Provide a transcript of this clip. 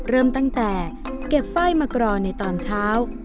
เริ่มตั้งแต่เก็บไฟล์มากรอในตอนเช้า